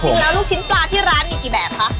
จริงแล้วลูกชิ้นปลาที่ร้านมีกี่แบบเหรอ